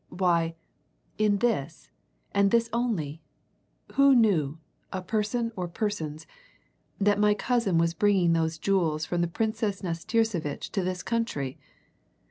Why, in this, and this only who knew, person or persons, that my cousin was bringing those jewels from the Princess Nastirsevitch to this country?